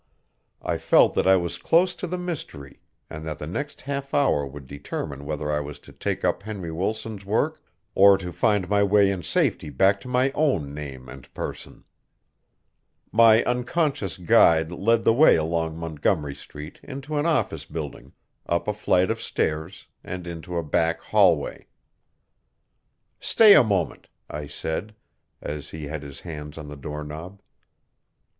I felt that I was close to the mystery and that the next half hour would determine whether I was to take up Henry Wilton's work or to find my way in safety back to my own name and person. My unconscious guide led the way along Montgomery Street into an office building, up a flight of stairs, and into a back hallway. "Stay a moment," I said, as he had his hand on the door knob.